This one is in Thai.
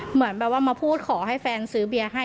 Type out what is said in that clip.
เหมือนแบบว่ามาพูดขอให้แฟนซื้อเบียร์ให้